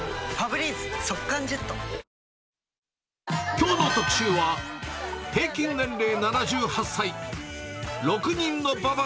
きょうの特集は、平均年齢７８歳。